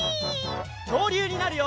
きょうりゅうになるよ！